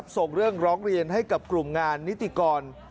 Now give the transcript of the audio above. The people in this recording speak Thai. ส่งเรื่องร้องเรียนให้กับกลุ่มงานนิติกร